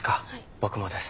僕もです。